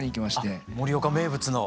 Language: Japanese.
あっ盛岡名物の。